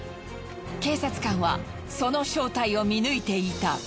警察官はその正体を見抜いていた。